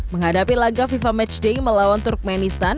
menghadapi laga fifa matchday melawan turkmenistan